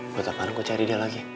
buat apaan lo cari dia lagi